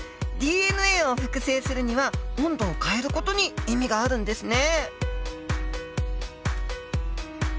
ＤＮＡを複製するには温度を変える事に意味があるんですね。